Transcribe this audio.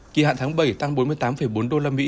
kỳ hạn tháng bảy tăng bốn mươi tám bốn usd